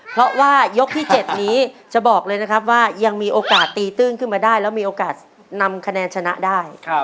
เพราะว่ายกที่๗นี้จะบอกเลยนะครับว่ายังมีโอกาสตีตื้นขึ้นมาได้แล้วมีโอกาสนำคะแนนชนะได้